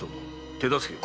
手助けを。